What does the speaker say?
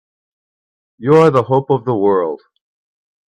You're the hope of the world!